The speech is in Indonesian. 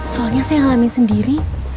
soalnya saya ngalamin sendiri